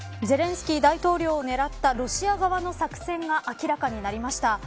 ゼレンスキー大統領を狙ったロシア側の作戦が明らかなりました。